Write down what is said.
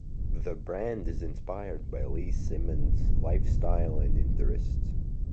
The brand is inspired by Lee Simmon's lifestyle and interests.